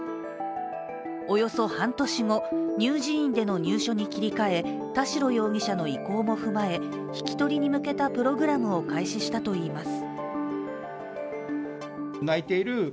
およそ半年後、乳児院での入所に切り替え田代容疑者の意向も踏まえ引き取りに向けたプログラムを開始したといいます。